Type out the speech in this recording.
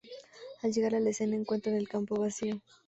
Al llegar a la escena, encuentran el campo vacío.